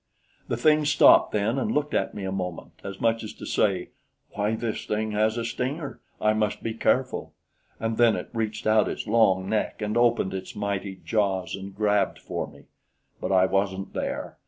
The thing stopped then and looked at me a moment as much as to say: "Why this thing has a stinger! I must be careful." And then it reached out its long neck and opened its mighty jaws and grabbed for me; but I wasn't there.